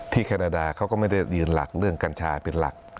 แคนาดาเขาก็ไม่ได้ยืนหลักเรื่องกัญชาเป็นหลัก